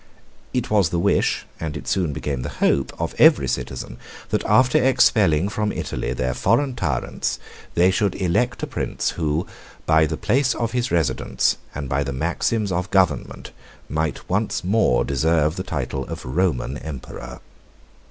It was the wish, and it soon became the hope, of every citizen, that after expelling from Italy their foreign tyrants, they should elect a prince who, by the place of his residence, and by his maxims of government, might once more deserve the title of Roman emperor.